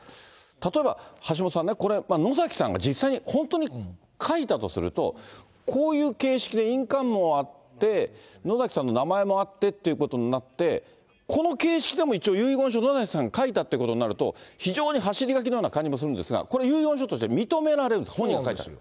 例えば、橋下さんね、これ、野崎さんが実際に本当に書いたとすると、こういう形式で印鑑もあって、野崎さんの名前もあってということになって、この形式でも一応、遺言書、野崎さんが書いたっていうことになると、非常に走り書きのような感じもするんですが、これ、遺言書として認められるんですか、本人が書いたと。